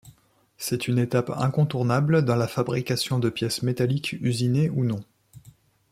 C’est une étape incontournable dans la fabrication de pièces métalliques usinées ou non.